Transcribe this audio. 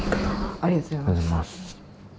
ありがとうございます。